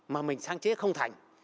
mà mình sáng chế không thành